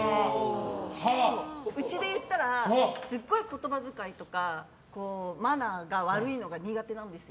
うちでいったらすごい言葉遣いとかマナーが悪いのが苦手なんです。